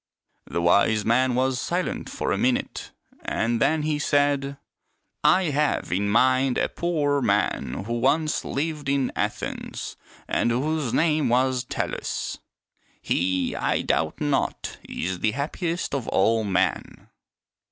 '^ The wise man was silent for a minute, and then he said, " I have in mind a poor man who once lived in Athens and whose name was Tellus. He, I doubt not, is the happiest of all men."